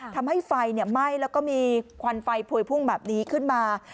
ทำให้ไฟไหม้แล้วก็มีควันไฟพวยพุ่งแบบนี้ขึ้นมา